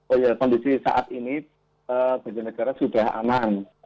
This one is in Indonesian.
oh ya kondisi saat ini banjar negara sudah aman